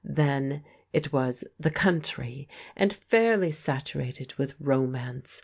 Then it was "the country," and fairly saturated with romance.